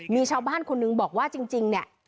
มีชาวบ้านคนนึงบอกว่าจริงเนี่ย